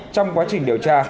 trong quá trình điều tra